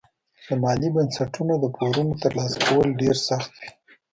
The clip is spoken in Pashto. له مالي بنسټونو د پورونو ترلاسه کول ډېر سخت وي.